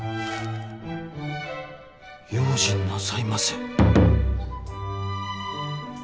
「用心なさいませ」。